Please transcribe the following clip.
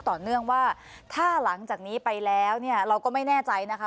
ต่อเนื่องว่าถ้าหลังจากนี้ไปแล้วเนี่ยเราก็ไม่แน่ใจนะคะ